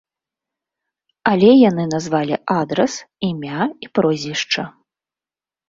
Але яны назвалі адрас, імя і прозвішча.